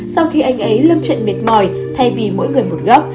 sau khi anh ấy lâm trận miệt mỏi thay vì mỗi người một góc